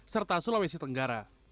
serta sulawesi tenggara